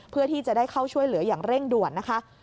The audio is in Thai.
เพื่อที่จะได้เข้าช่วยเหลืออย่างเร่งด่วนนะคะ